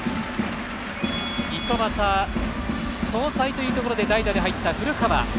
五十幡、交代というところで代打で入った古川。